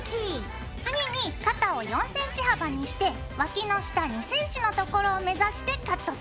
次に肩を４ｃｍ幅にしてわきの下２ｃｍのところを目指してカットするよ。